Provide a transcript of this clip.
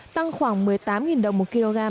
tăng khoảng một mươi tám đồng một kg